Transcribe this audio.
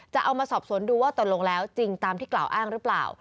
จะเอามาสอบสวนดูว่าตกลงแล้วจริงตามที่กล่าวอ้างหรือเปล่า